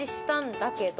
「だけど」